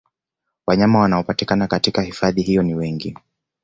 Wanyama wanaopatikana katika hifadhi hiyo ni wengi